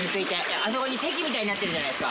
あそこにせきみたいになってるじゃないですか。